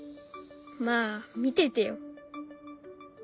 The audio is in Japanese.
まあ見ててよ。